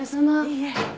いいえ。